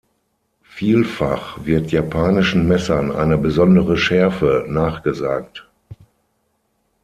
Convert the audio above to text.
Vielfach wird japanischen Messern eine besondere Schärfe nachgesagt.